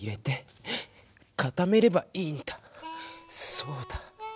そうだ。